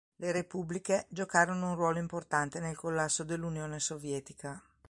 Le repubbliche giocarono un ruolo importante nel collasso dell'Unione Sovietica.